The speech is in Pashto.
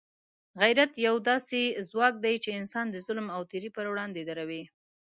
غیرت یو داخلي ځواک دی چې انسان د ظلم او تېري پر وړاندې دروي.